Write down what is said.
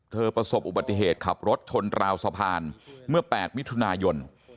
ประสบอุบัติเหตุขับรถชนราวสะพานเมื่อ๘มิถุนายน